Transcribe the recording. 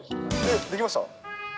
できました？